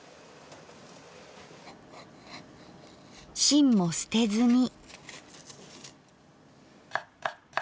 芯も捨てずに。